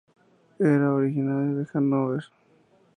Era originario de Hanóver.